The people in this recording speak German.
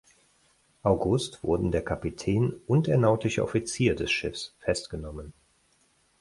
August wurden der Kapitän und der Nautische Offizier des Schiffs festgenommen.